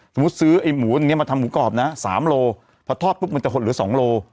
ซื้อไอ้หมูอันนี้มาทำหมูกรอบนะ๓โลพอทอดปุ๊บมันจะหดเหลือ๒โล